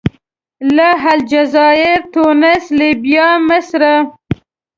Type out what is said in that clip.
له الجزایر، تونس، لیبیا، مصره.